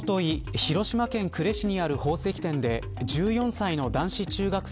広島県呉市にある宝石店で１４歳の男子中学生